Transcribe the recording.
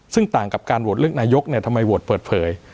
ซึ่งต่างกับการโหวตเลือกนายกทำไมโหวตเปิดเผย